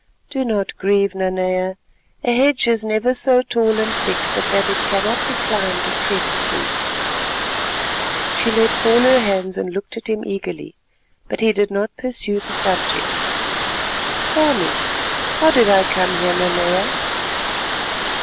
"Do not grieve, Nanea, a hedge is never so tall and thick but that it cannot be climbed or crept through." She let fall her hands and looked at him eagerly, but he did not pursue the subject. "Tell me, how did I come here, Nanea?"